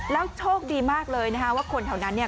แล้วโชคดีมากเลยนะคะว่าคนเท่านั้นเนี่ย